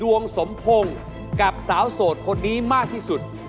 ดวงสมพงศ์กับสาวโสดคนนี้มากที่สุด